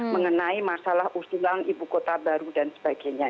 mengenai masalah usulan ibu kota baru dan sebagainya